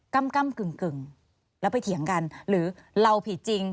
ก้ำกึ่งแล้วไปเถียงกันหรือเราผิดจริง